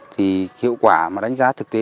thì hiệu quả mà đánh giá thực tế